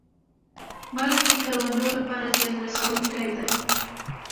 ملخ د کروندو لپاره زیان رسوونکی دی